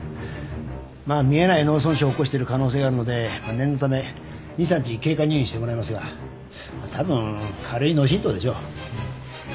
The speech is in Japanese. まあ見えない脳損傷を起こしてる可能性があるので念のため２３日経過入院してもらいますがたぶん軽い脳振とうでしょう。